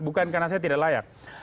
bukan karena saya tidak layak